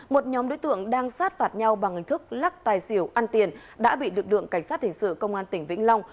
một nhóm đối tượng đang sát phạt nhau bằng hình thức lắc tài xỉu ăn tiền đã bị lực lượng cảnh sát hình sự công an tỉnh vĩnh long